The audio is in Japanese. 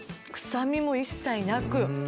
臭みも一切なく。